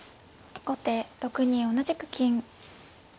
後手６二同じく金。